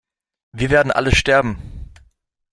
Wir werden alle sterben!